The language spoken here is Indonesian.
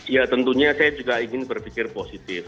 ya tentunya saya juga ingin berpikir positif